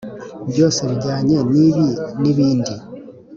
byose bijyanye nibi nibindi.